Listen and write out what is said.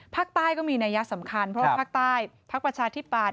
ภาคใต้ก็มีนัยสำคัญเพราะภาคใต้ภาคประชาธิปาศ